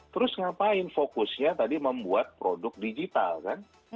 terus ngapain fokusnya tadi membuat produk digital kan